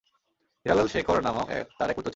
হীরালাল শেখর নামক তার এক পুত্র ছিল।